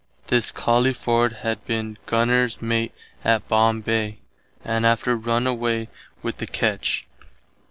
This Collyford had been Gunners Mate at Bombay, and after run away with the Ketch.